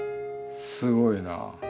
すごいな。